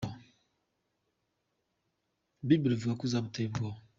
Bible ivuga ko uzaba uteye ubwoba.